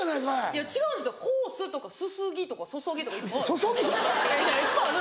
いや違うんですよコースとかすすぎとかそそぎとかいっぱいある。